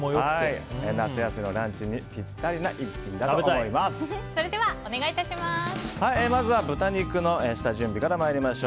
夏休みのランチにぴったりな一品だと思います。